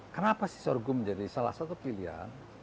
kenapa sih sorghum menjadi salah satu pilihan